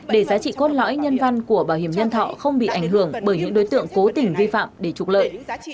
để giá trị cốt lõi nhân văn của bảo hiểm nhân thọ không bị ảnh hưởng bởi những đối tượng cố tình vi phạm để trục lợi